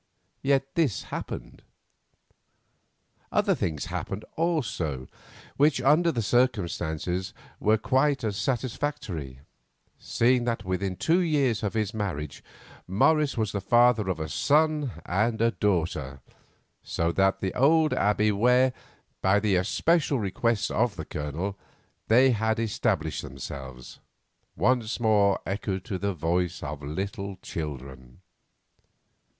Yet this happened. Other things happened also which, under the circumstances, were quite as satisfactory, seeing that within two years of his marriage Morris was the father of a son and daughter, so that the old Abbey, where, by the especial request of the Colonel, they had established themselves, once more echoed to the voices of little children.